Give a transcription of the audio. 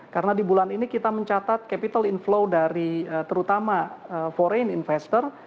karena di bulan ini kita mencatat capital inflow dari terutama foreign investor